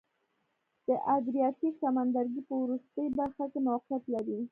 د ادریاتیک سمندرګي په وروستۍ برخه کې موقعیت لري.